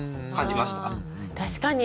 確かに。